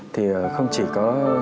thì không chỉ có